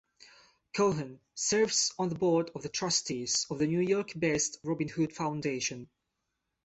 Cohen serves on the Board of Trustees of the New York-based Robin Hood Foundation.